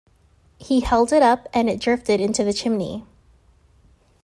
He held it up, and it drifted into the chimney.